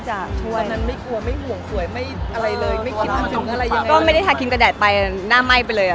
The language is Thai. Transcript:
อันนั้นทิพย์เหลือเกินเลย